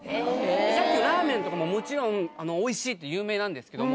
さっきのラーメンとかももちろん美味しいって有名なんですけど